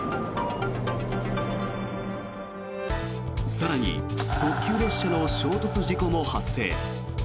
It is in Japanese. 更に特急列車の衝突事故も発生。